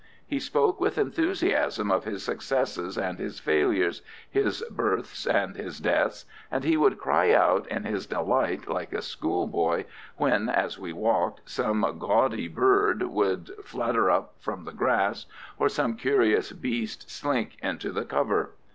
He spoke with enthusiasm of his successes and his failures, his births and his deaths, and he would cry out in his delight, like a schoolboy, when, as we walked, some gaudy bird would flutter up from the grass, or some curious beast slink into the cover.